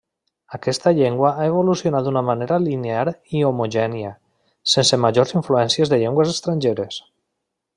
Aquesta llengua ha evolucionat d'una manera linear i homogènia, sense majors influències de llengües estrangeres.